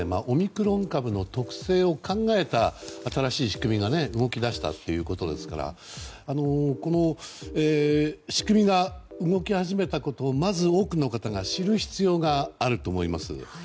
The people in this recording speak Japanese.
オミクロン株の特性を考えた新しい仕組みが動き出したということですからこの仕組みが動き始めたことをまず多くの方が知る必要があると思います。